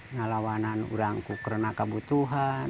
ngalawanan orang kukerenakan kebutuhan